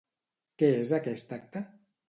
Què és aquest acte?